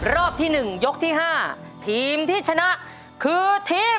รอบที่หนึ่งยกที่ห้าทีมที่ชนะคือทีม